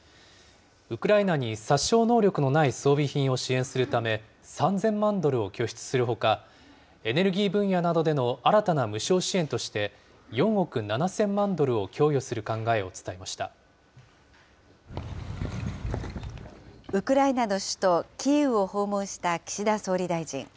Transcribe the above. ウクライナに殺傷能力のない装備品を支援するため、３０００万ドルを拠出するほか、エネルギー分野などでの新たな無償支援として、４億７０００万ドウクライナの首都キーウを訪問した岸田総理大臣。